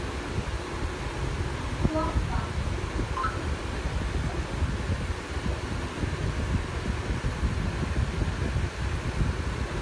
Pisuaqpa?